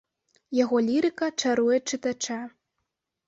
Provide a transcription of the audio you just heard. Яго лірыка чаруе чытача.